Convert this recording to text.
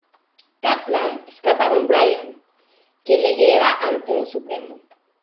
Caitlin escapa con Brian, quien la lleva ante un "Supremo".